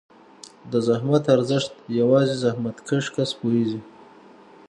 د زحمت ارزښت یوازې زحمتکښ کس پوهېږي.